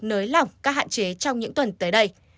nới lỏng các hạn chế trong những tuần tới đây